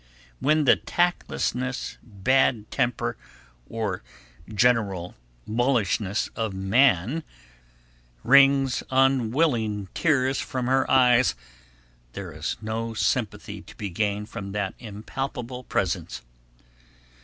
When the tactlessness, bad temper, or general mulishness of man wrings unwilling tears from her eyes, there is no sympathy to be gained from that impalpable presence.